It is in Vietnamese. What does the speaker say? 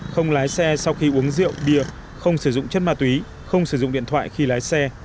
không lái xe sau khi uống rượu bia không sử dụng chất ma túy không sử dụng điện thoại khi lái xe